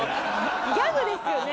ギャグですよね